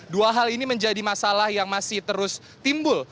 dua hal ini menjadi masalah yang masih terus timbul